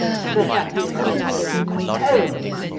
"The fact is, gentlemen ahem!